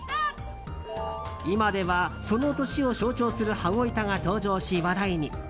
今では、その年を象徴する羽子板が登場し話題に。